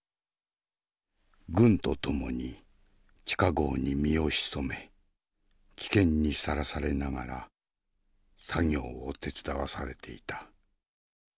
軍と共に地下壕に身を潜め危険にさらされながら作業を手伝わされていた。